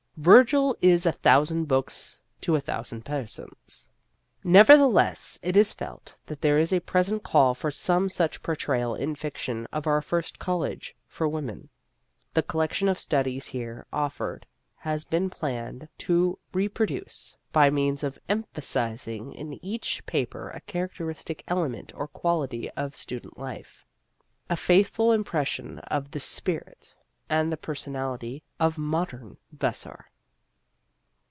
" Virgil is a thousand books to a thousand persons." Nevertheless it is felt that there is a present call for some such portrayal in fiction of our first col lege for women. The collection of studies Preface v here offered has been planned to repro duce, by means of emphasizing in each paper a characteristic element or quality of student life, a faithful impression of the spirit and the personality of modern Vassar.